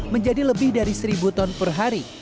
menjadi lebih dari seribu ton per hari